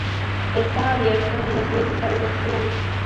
Está abierto en los meses cálidos del año.